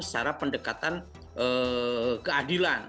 secara pendekatan keadilan